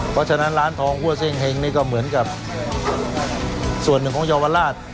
เพราะฉะนั้นร้านทองหัวเส้งเห็งนี่ก็เหมือนกับส่วนหนึ่งของเยาวราช